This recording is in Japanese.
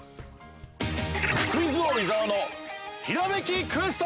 ◆「クイズ王・伊沢のひらめきクエスト」。